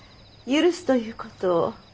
許すという事を。